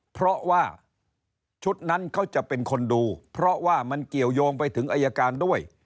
เพราะว่าชุดนั้นเขาจะเป็นคนดูเพราะว่ามันเกี่ยวยงไปถึงอายการด้วย